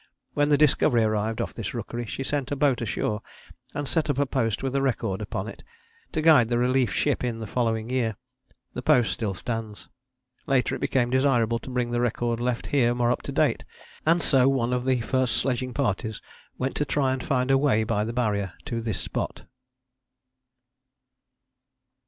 When the Discovery arrived off this rookery she sent a boat ashore and set up a post with a record upon it to guide the relief ship in the following year. The post still stands. Later it became desirable to bring the record left here more up to date, and so one of the first sledging parties went to try and find a way by the Barrier to this spot.